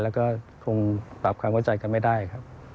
แล้วก็ต้องกันกันไม่ได้ครับ